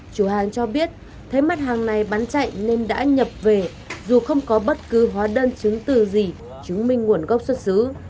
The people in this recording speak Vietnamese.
chủ hàng cho biết thấy mặt hàng này bán chạy nên đã nhập về dù không có bất cứ hóa đơn chứng từ gì chứng minh nguồn gốc xuất xứ